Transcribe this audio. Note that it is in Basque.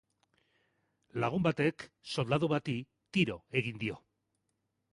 Lagun batek soldadu bati tiro egin dio.